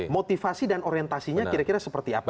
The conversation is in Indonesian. motivasi dan orientasinya kira kira seperti apa